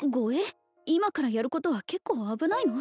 今からやることは結構危ないの？